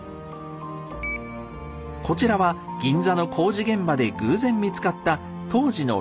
こちらは銀座の工事現場で偶然見つかった当時の